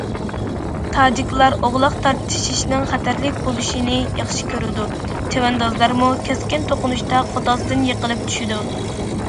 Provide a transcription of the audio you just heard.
تاجىكلار ئوغلاق تارتىشىشنىڭ خەتەرلىك بولۇشىنى ياخشى كۆرىدۇ، چەۋەندازلارمۇ كەسكىن توقۇنۇشتا قوتازدىن يىقىلىپ چۈشىدۇ.